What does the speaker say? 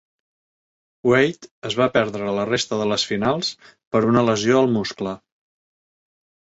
Weight es va perdre la resta de les Finals per una lesió al muscle.